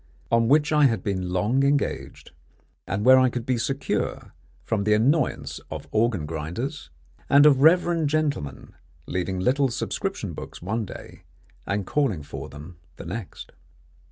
on which I had been long engaged, and where I could be secure from the annoyance of organ grinders, and of reverend gentlemen leaving little subscription books one day and calling for them the next.